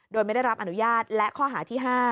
โดยไม่ได้รับอนุญาตและข้อหาที่๕